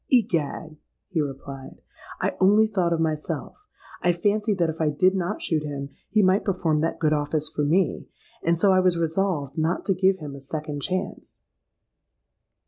—'Egad!' he replied, 'I only thought of myself. I fancied that if I did not shoot him, he might perform that good office for me; and so I was resolved not to give him a second chance.'